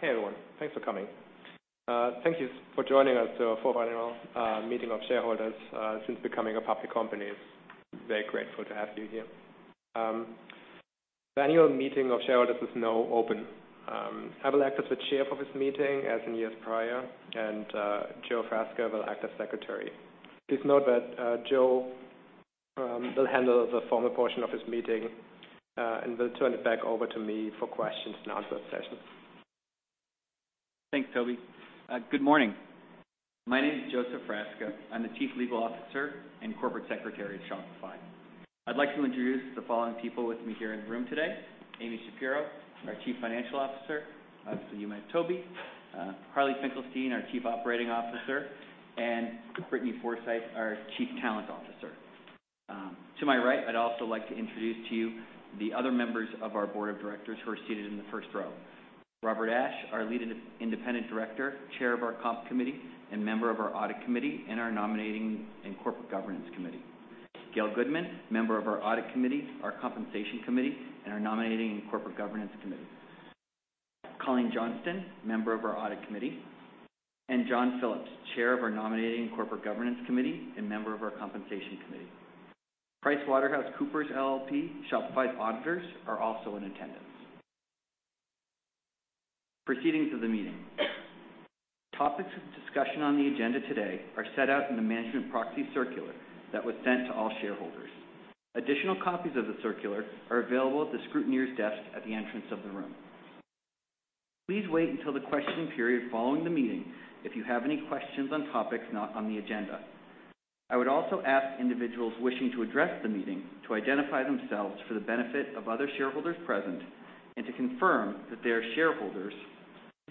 Hey everyone. Thanks for coming. Thank you for joining us, our fourth annual meeting of shareholders since becoming a public company. Very grateful to have you here. The annual meeting of shareholders is now open. I will act as the chair for this meeting as in years prior, and Joseph Frasca will act as secretary. Please note that Joe will handle the formal portion of this meeting and will turn it back over to me for questions and answer sessions. Thanks, Tobi. Good morning. My name is Joseph Frasca. I'm the Chief Legal Officer and Corporate Secretary at Shopify. I'd like to introduce the following people with me here in the room today. Amy Shapero, our Chief Financial Officer. Obviously, you met Toby. Harley Finkelstein, our Chief Operating Officer, and Brittany Forsyth, our Chief Talent Officer. To my right, I'd also like to introduce to you the other members of our Board of Directors who are seated in the first row. Robert Ashe, our Lead Independent Director, Chair of our Compensation Committee, and member of our Audit Committee and our Nominating and Corporate Governance Committee. Gail Goodman, member of our Audit Committee, our Compensation Committee, and our Nominating and Corporate Governance Committee. Colleen Johnston, member of our Audit Committee, and John Phillips, Chair of our Nominating and Corporate Governance Committee and member of our Compensation Committee. PricewaterhouseCoopers LLP, Shopify's auditors, are also in attendance. Proceedings of the meeting. Topics of discussion on the agenda today are set out in the management proxy circular that was sent to all shareholders. Additional copies of the circular are available at the scrutineers' desk at the entrance of the room. Please wait until the questioning period following the meeting if you have any questions on topics not on the agenda. I would also ask individuals wishing to address the meeting to identify themselves for the benefit of other shareholders present and to confirm that they are shareholders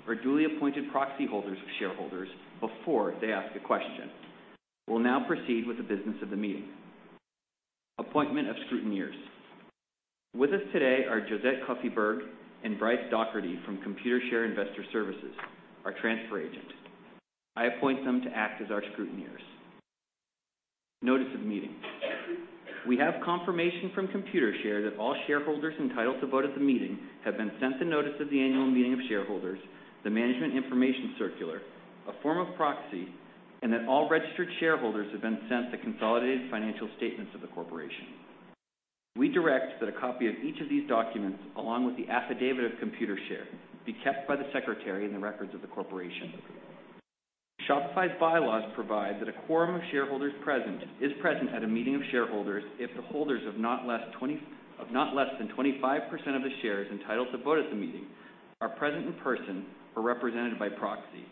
or duly appointed proxy holders of shareholders before they ask a question. We'll now proceed with the business of the meeting. Appointment of scrutineers. With us today are Josette Cuffy-Berg and Bryce Dougherty from Computershare Investor Services, our transfer agent. I appoint them to act as our scrutineers. Notice of meeting. We have confirmation from Computershare that all shareholders entitled to vote at the meeting have been sent the notice of the annual meeting of shareholders, the management information circular, a form of proxy, and that all registered shareholders have been sent the consolidated financial statements of the corporation. We direct that a copy of each of these documents, along with the affidavit of Computershare, be kept by the secretary in the records of the corporation. Shopify's bylaws provide that a quorum of shareholders present is present at a meeting of shareholders if the holders of not less than 25% of the shares entitled to vote at the meeting are present in person or represented by proxy,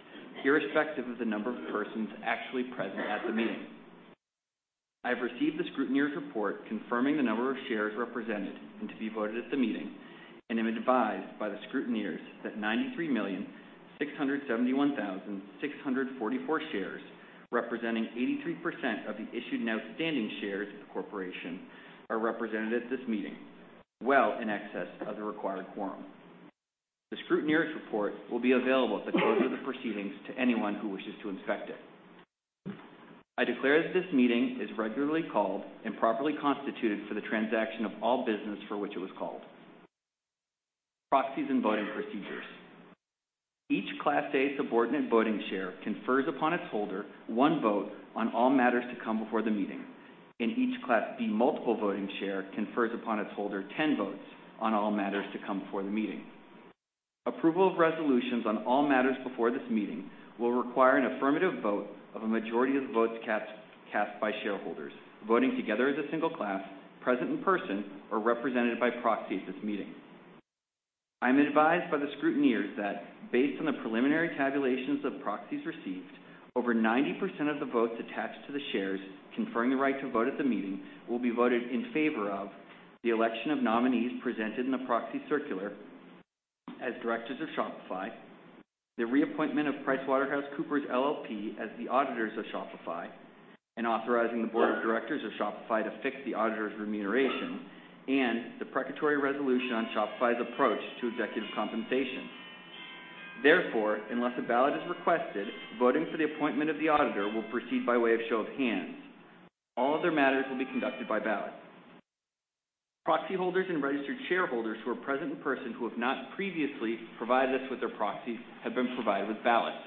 irrespective of the number of persons actually present at the meeting. I have received the scrutineers' report confirming the number of shares represented and to be voted at the meeting, am advised by the scrutineers that 93,671,644 shares, representing 83% of the issued and outstanding shares of the corporation, are represented at this meeting, well in excess of the required quorum. The scrutineers' report will be available at the close of the proceedings to anyone who wishes to inspect it. I declare that this meeting is regularly called and properly constituted for the transaction of all business for which it was called. Proxies and voting procedures. Each Class A subordinate voting share confers upon its holder one vote on all matters to come before the meeting, and each Class B multiple voting share confers upon its holder 10 votes on all matters to come before the meeting. Approval of resolutions on all matters before this meeting will require an affirmative vote of a majority of the votes cast by shareholders, voting together as a single class, present in person or represented by proxy at this meeting. I'm advised by the scrutineers that based on the preliminary tabulations of proxies received, over 90% of the votes attached to the shares conferring the right to vote at the meeting will be voted in favor of the election of nominees presented in the proxy circular as directors of Shopify, the reappointment of PricewaterhouseCoopers LLP as the auditors of Shopify, and authorizing the board of directors of Shopify to fix the auditor's remuneration and the precatory resolution on Shopify's approach to executive compensation. Unless a ballot is requested, voting for the appointment of the auditor will proceed by way of show of hands. All other matters will be conducted by ballot. Proxy holders and registered shareholders who are present in person who have not previously provided us with their proxies have been provided with ballots.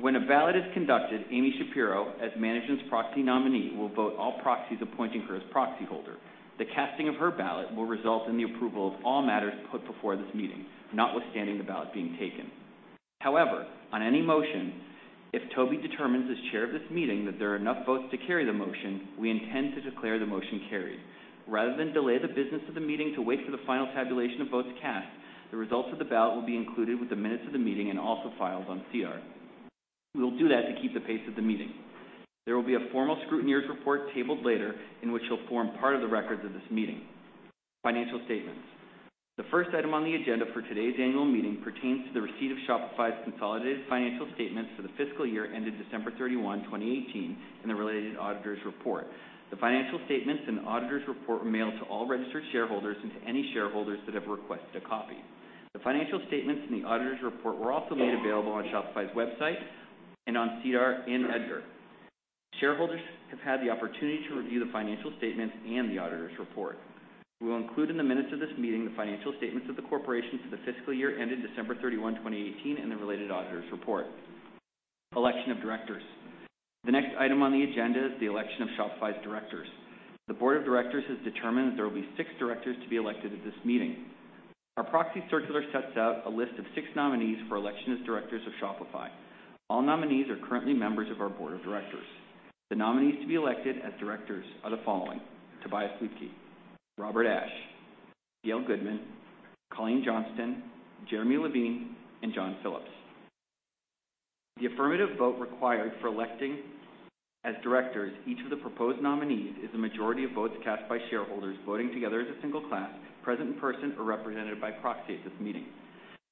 When a ballot is conducted, Amy Shapero, as management's proxy nominee, will vote all proxies appointing her as proxy holder. The casting of her ballot will result in the approval of all matters put before this meeting, notwithstanding the ballot being taken. On any motion, if Tobi determines as chair of this meeting that there are enough votes to carry the motion, we intend to declare the motion carried. Rather than delay the business of the meeting to wait for the final tabulation of votes cast, the results of the ballot will be included with the minutes of the meeting and also filed on SEDAR. We will do that to keep the pace of the meeting. There will be a formal scrutineers report tabled later in which it'll form part of the records of this meeting. Financial statements. The first item on the agenda for today's annual meeting pertains to the receipt of Shopify's consolidated financial statements for the fiscal year ended December 31, 2018, and the related auditors report. The financial statements and auditors report were mailed to all registered shareholders and to any shareholders that have requested a copy. The financial statements and the auditors report were also made available on Shopify's website and on SEDAR and EDGAR. Shareholders have had the opportunity to review the financial statements and the auditor's report. We will include in the minutes of this meeting the financial statements of the corporation for the fiscal year ended December 31, 2018, and the related auditor's report. Election of directors. The next item on the agenda is the election of Shopify's directors. The board of directors has determined that there will be six directors to be elected at this meeting. Our proxy circular sets out a list of six nominees for election as directors of Shopify. All nominees are currently members of our board of directors. The nominees to be elected as directors are the following: Tobi Lütke, Robert Ashe, Gail Goodman, Colleen Johnston, Jeremy Levine, and John Phillips. The affirmative vote required for electing as directors each of the proposed nominees is the majority of votes cast by shareholders voting together as a single class, present in person or represented by proxy at this meeting.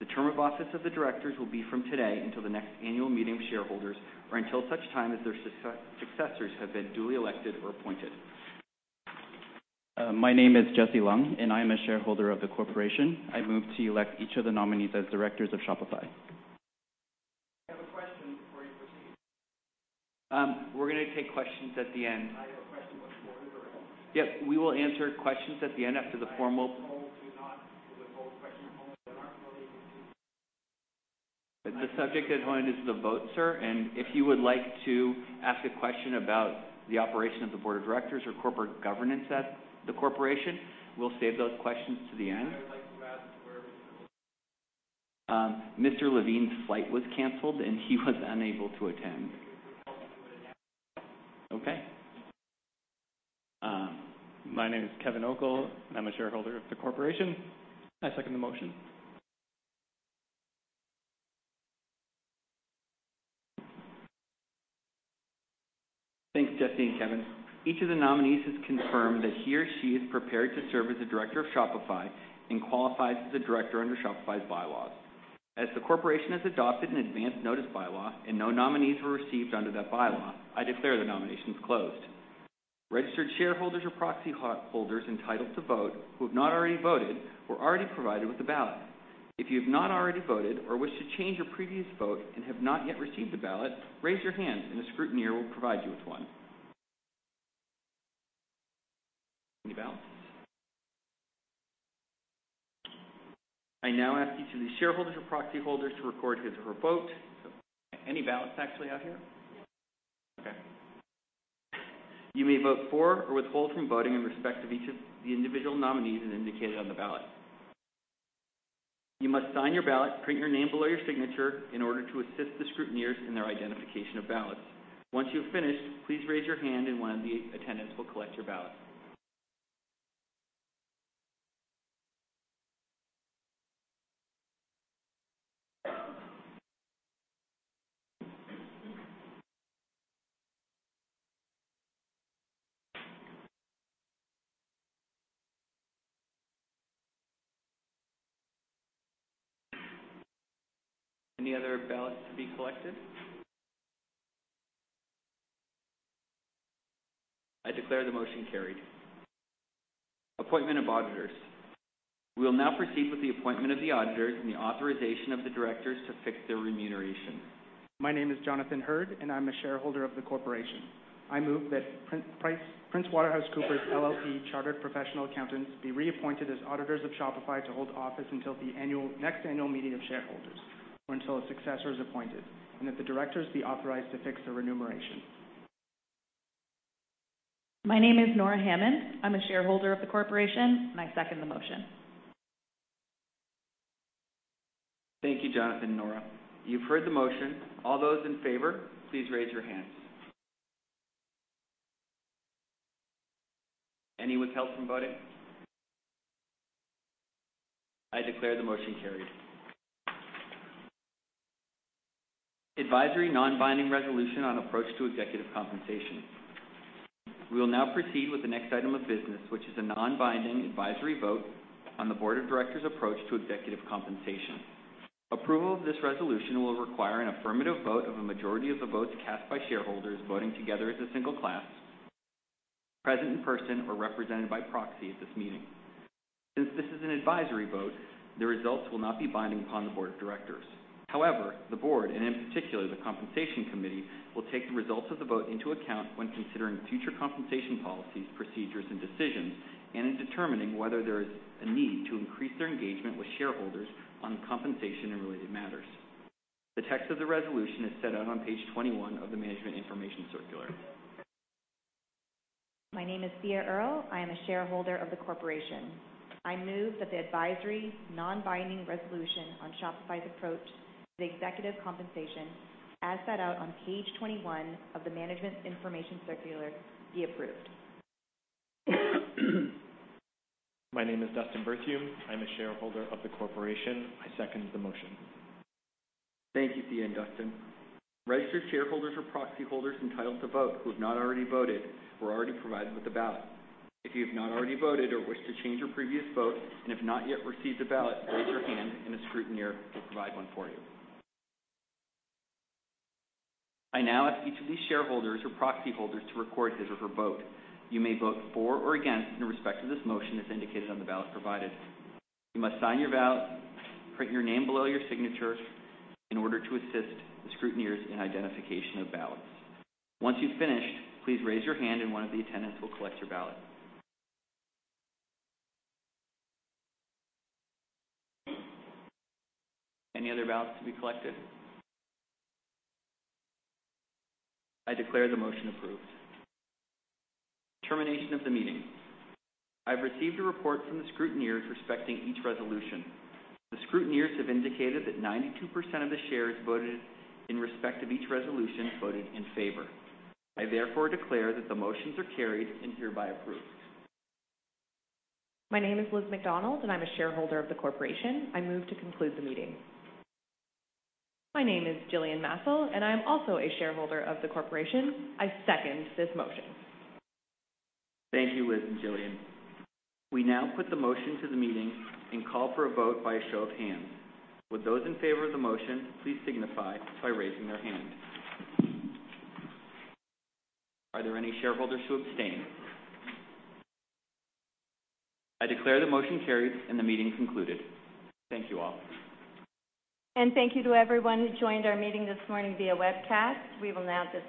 The term of office of the directors will be from today until the next annual meeting of shareholders or until such time as their successors have been duly elected or appointed. My name is Jesse Lung, I am a shareholder of the corporation. I move to elect each of the nominees as directors of Shopify. I have a question before you proceed. We're going to take questions at the end. I have a question before we vote. Yes, we will answer questions at the end. I withhold to not the vote question only that aren't related to. The subject at hand is the vote, sir. If you would like to ask a question about the operation of the board of directors or corporate governance at the corporation, we'll save those questions to the end. I would like to ask where- Mr. Levine's flight was canceled, and he was unable to attend. We'll hold to a Okay. My name is Kevin Ogle, and I'm a shareholder of the corporation. I second the motion. Thanks, Jesse and Kevin. Each of the nominees has confirmed that he or she is prepared to serve as a director of Shopify and qualifies as a director under Shopify's bylaws. As the corporation has adopted an advanced notice bylaw and no nominees were received under that bylaw, I declare the nominations closed. Registered shareholders or proxy holders entitled to vote who have not already voted were already provided with a ballot. If you have not already voted or wish to change your previous vote and have not yet received a ballot, raise your hand and a scrutineer will provide you with one. Any ballots? I now ask each of the shareholders or proxy holders to record his or her vote. Do we have any ballots actually out here? Yeah. Okay. You may vote for or withhold from voting in respect of each of the individual nominees as indicated on the ballot. You must sign your ballot, print your name below your signature in order to assist the scrutineers in their identification of ballots. Once you have finished, please raise your hand and one of the attendants will collect your ballot. Any other ballots to be collected? I declare the motion carried. Appointment of auditors. We will now proceed with the appointment of the auditors and the authorization of the directors to fix their remuneration. My name is Jonathan Hurd, and I'm a shareholder of the corporation. I move that PricewaterhouseCoopers LLP Chartered Professional Accountants be reappointed as auditors of Shopify to hold office until the next annual meeting of shareholders or until a successor is appointed, and that the directors be authorized to fix their remuneration. My name is Nora Hammond. I'm a shareholder of the corporation, and I second the motion. Thank you, Jonathan and Nora. You've heard the motion. All those in favor, please raise your hands. Any withheld from voting? I declare the motion carried. Advisory non-binding resolution on approach to executive compensation. We will now proceed with the next item of business, which is a non-binding advisory vote on the board of directors' approach to executive compensation. Approval of this resolution will require an an affirmative vote of a majority of the votes cast by shareholders voting together as a single class, present in person or represented by proxy at this meeting. Since this is an advisory vote, the results will not be binding upon the board of directors. However, the board, and in particular, the compensation committee, will take the results of the vote into account when considering future compensation policies, procedures, and decisions, and in determining whether there is a need to increase their engagement with shareholders on compensation and related matters. The text of the resolution is set out on page 21 of the management information circular. My name is Thea Earl. I am a shareholder of the corporation. I move that the advisory non-binding resolution on Shopify's approach to the executive compensation, as set out on page 21 of the management information circular, be approved. My name is Dustin Berthiaume. I'm a shareholder of the corporation. I second the motion. Thank you, Thea and Dustin. Registered shareholders or proxy holders entitled to vote who have not already voted were already provided with a ballot. If you have not already voted or wish to change your previous vote and have not yet received a ballot, raise your hand and a scrutineer will provide one for you. I now ask each of these shareholders or proxy holders to record his or her vote. You may vote for or against in respect to this motion as indicated on the ballot provided. You must sign your ballot, print your name below your signature in order to assist the scrutineers in identification of ballots. Once you've finished, please raise your hand and one of the attendants will collect your ballot. Any other ballots to be collected? I declare the motion approved. Termination of the meeting. I've received a report from the scrutineers respecting each resolution. The scrutineers have indicated that 92% of the shares voted in respect of each resolution voted in favor. I therefore declare that the motions are carried and hereby approved. My name is Liz McDonald, and I'm a shareholder of the corporation. I move to conclude the meeting. My name is Jillian Massel, and I am also a shareholder of the corporation. I second this motion. Thank you, Liz and Jillian. We now put the motion to the meeting and call for a vote by a show of hands. Would those in favor of the motion please signify by raising their hand? Are there any shareholders who abstain? I declare the motion carried and the meeting concluded. Thank you all. Thank you to everyone who joined our meeting this morning via webcast. We will now disconnect.